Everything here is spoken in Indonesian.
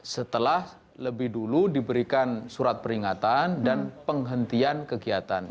setelah lebih dulu diberikan surat peringatan dan penghentian kegiatan